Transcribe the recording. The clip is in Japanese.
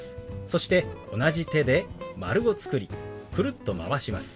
そして同じ手で丸を作りくるっとまわします。